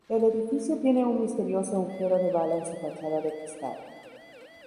El edificio tiene un misterioso agujero de bala en su fachada de cristal.